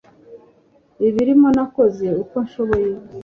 ibirimo nakoze uko nshoboye